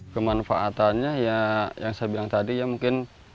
kemanfaatannya ya yang saya bilang tadi ya mungkin